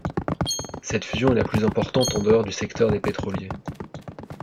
Cette fusion est la plus importante en dehors du secteur des pétroliers.